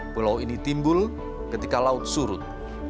pulau ini timbul ketika laut surut